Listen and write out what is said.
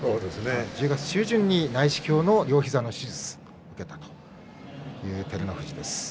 １０月中旬に内視鏡の両膝の手術を受けたという照ノ富士です。